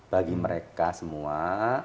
bagi mereka semua